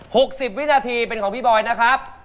หกสิบวินาทีเป็นของพี่บอยนะครับ